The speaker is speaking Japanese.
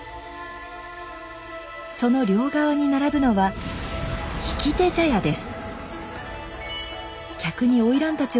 その両側に並ぶのは「引手茶屋」です。